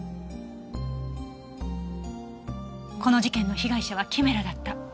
この事件の被害者はキメラだった。